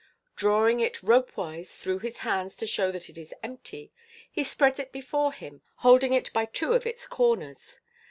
Drawing it ropewise through his hands to show that it is empty, he spreads it before him, holding it by two of its corners.